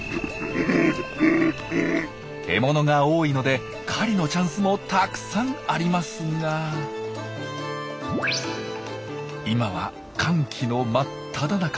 獲物が多いので狩りのチャンスもたくさんありますが今は乾季の真っただ中。